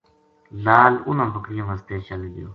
لال اُنھاں بکریاں واسطے چل گیو